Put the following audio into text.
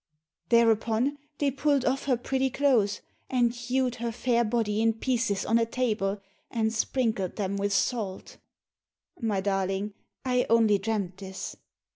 Thereupon they pulled off her pretty clothes, and hewed her fair body in pieces on a table, and sprinkled them with salt. My darling, I only dreamt this.